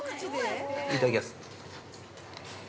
いただきます。